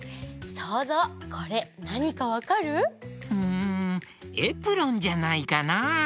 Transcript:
そうぞうこれなにかわかる？んエプロンじゃないかな？